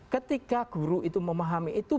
ketika guru itu memahami itu